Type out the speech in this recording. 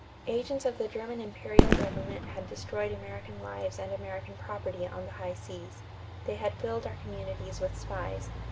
Agents of the German imperial government had destroyed American lives and American property on the high seas. They had filled our communities with spies.